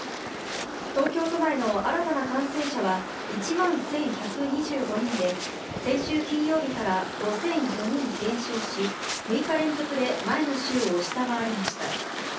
東京都内の新たな感染者は、１万１１２５人で、先週金曜日から５００４人減少し、６日連続で前の週を下回りました。